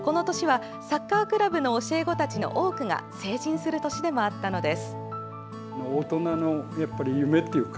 この年は、サッカークラブの教え子たちの多くが成人する年でもあったのです。